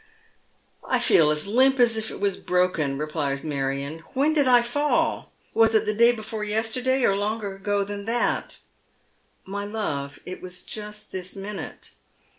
_" I feel as limp as if it was broken," replies IMarion. " When did I fall ? was it the day before yesterday, or longer ago tlian that?" " My love, it was just this minute."